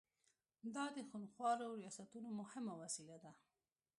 دا د خونخوارو ریاستونو مهمه وسیله ده.